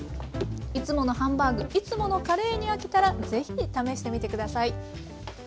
いつものハンバーグいつものカレーに飽きたらぜひ試してみてください。